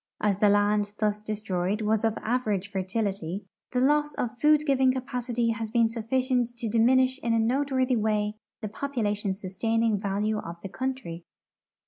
As the land thus destroyed was of average fertility, the loss of food giving capacity has been sufficient to diminish in a noteworthy w^ay the population sustaining value of the country.